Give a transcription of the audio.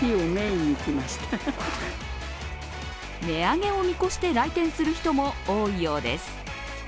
値上げを見越して来店する人も多いようです。